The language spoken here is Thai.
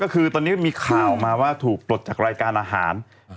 ก็คือตอนนี้มีข่าวออกมาว่าถูกปลดจากรายการอาหาร